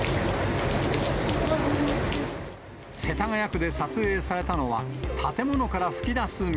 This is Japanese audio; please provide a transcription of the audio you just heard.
世田谷区で撮影されたのは、建物から噴き出す水。